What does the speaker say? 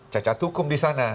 cacat hukum disana